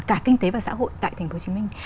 cả kinh tế và xã hội tại thành phố hồ chí minh